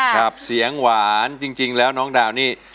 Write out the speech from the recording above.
ครับเสียงหวานจริงแล้วน้องดาวนี่